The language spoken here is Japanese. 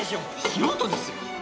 素人ですよ